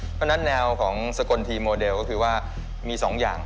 เพราะฉะนั้นแนวของสกลทีโมเดลก็คือว่ามี๒อย่าง